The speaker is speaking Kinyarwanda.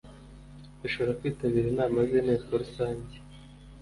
bashobora kwitabira inama z inteko rusange